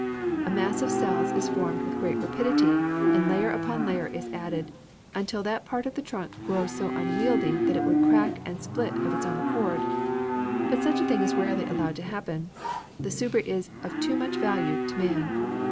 A mass of cells is formed with great rapidity, and layer upon layer is added, until that part of the trunk grows so unwieldy that it would crack and split of its own accord. But such a thing is rarely allowed to happen: the suber is of too much value to man.